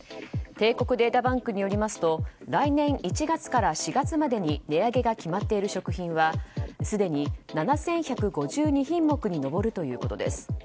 帝国データバンクによりますと来年１月から４月までに値上げが決まっている食品はすでに７１５２品目に上るということです。